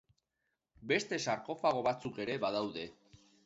Beste sarkofago batzuk ere badaude.